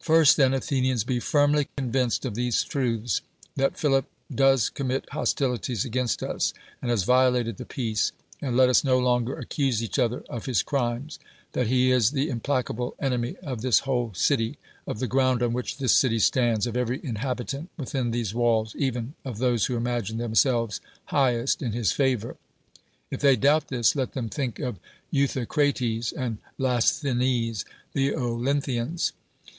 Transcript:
First then, Athenians, lie firmly convinced of these truths: that Phili]) do(^s commit hostilities against us. and has violaled the i~)eare (and let us no longer accuse each other of his crimes) ; that he is the implacable enemy of tliis whole city, of the ground on vrliich this city stands. of every inhabitant within tluvse walls, even of those who imagine themselves highest in his favor. If they doubt this, ht them think of Euthycrates and Last lienes. the Olynthians.